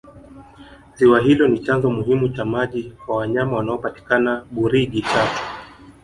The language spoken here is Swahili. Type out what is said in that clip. ziwa hilo ni chanzo muhimu cha maji kwa wanyama wanaopatikana burigi chato